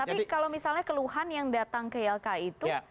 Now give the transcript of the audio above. tapi kalau misalnya keluhan yang datang ke ylki itu